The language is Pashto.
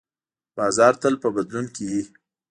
بازار تل په بدلون کې وي.